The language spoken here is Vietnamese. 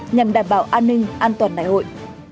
nhằm đảm bảo an ninh an toàn đại hội